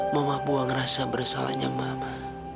mama buang rasa bersalahnya mama